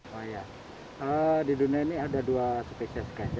oh ya di dunia ini ada dua gajah spesies